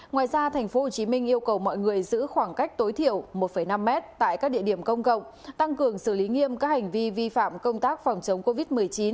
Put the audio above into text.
ngoài ra tp hcm yêu cầu mọi người giữ khoảng cách tối thiểu một năm m tại các địa điểm công cộng tăng cường xử lý nghiêm các hành vi vi phạm công tác phòng chống covid một mươi chín